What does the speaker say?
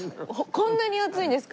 こんなに厚いんですか？